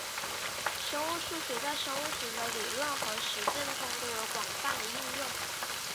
生物数学在生物学的理论和实践中都有广泛的应用。